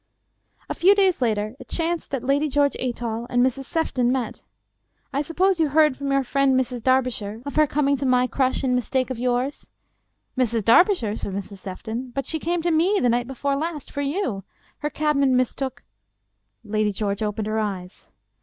A few days later it chanced that Lady George Athol and Mrs. Sefton met. " I suppose you heard from your friend, Mrs. Darbi shire, of her coming to my crush in mistake for yours," said Lady George^ " Mrs. Darbishire !" said Mrs. Sefton ;" but she came to ^ne the night before last for you. Her cabman mis took " Lady George opened her eyes.